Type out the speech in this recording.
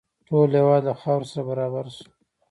ټول هېواد له خاورو سره برابر شو.